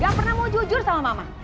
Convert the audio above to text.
gak pernah mau jujur sama mama